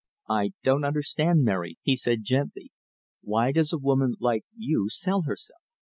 "I don't understand, Mary," he said, gently. "Why does a woman like you sell herself?"